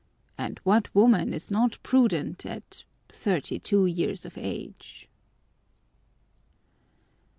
And what woman is not prudent at thirty two years of age?